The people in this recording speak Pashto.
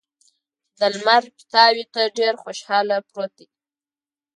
د لمر پیتاوي ته ډېر خوشحاله پروت دی.